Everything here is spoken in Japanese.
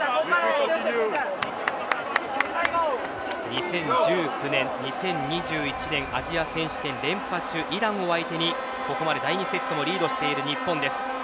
２０１９年、２０２１年アジア選手権連覇中イランを相手に、ここまで第２セットもリードしている日本です。